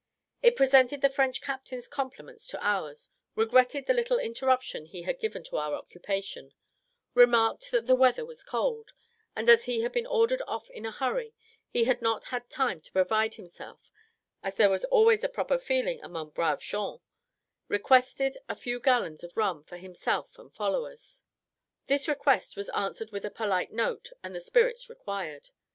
It presented the French captain's compliments to ours; regretted the little interruption he had given to our occupation; remarked that the weather was cold, and as he had been ordered off in a hurry, he had not had time to provide himself; and as there was always a proper feeling among braves gens, requested a few gallons of rum for himself and followers. This request was answered with a polite note, and the spirits required.